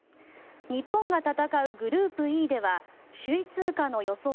日本が戦うグループＥでは首位通過の予想